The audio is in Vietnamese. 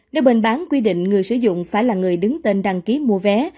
nếu bên bán quy định người sử dụng phải là người đứng tên đăng ký mua vé